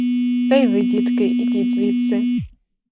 Та й ви, дітки, ідіть звідси.